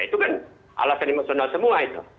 itu kan alasan emosional semua itu